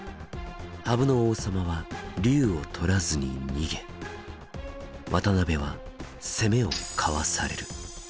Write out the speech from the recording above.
羽生の王様は龍を取らずに逃げ渡辺は攻めをかわされる。